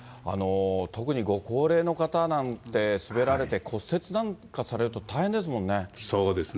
特にご高齢の方なんて、滑られて骨折なんかされると大変ですそうですね。